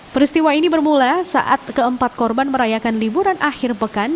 peristiwa ini bermula saat keempat korban merayakan liburan akhir pekan